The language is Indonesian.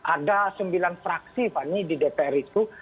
ada sembilan fraksi fani di dpr itu